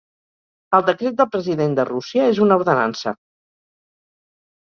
El Decret del President de Rússia és una ordenança.